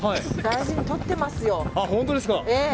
大事にとってますよ。